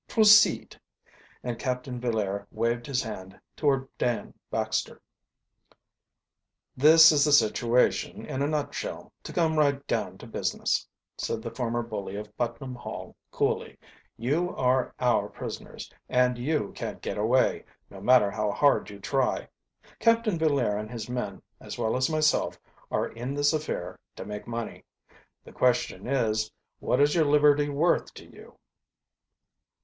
Proceed," and Captain Villaire waved his hand toward Dan Baxter. "This is the situation in a nutshell, to come right down to business," said the former bully of Putnam Hall coolly. "You are our prisoners, and you can't get away, no matter how hard you try. Captain Villaire and his men, as well as myself, are in this affair to make money. The question is, what is your liberty worth to you?"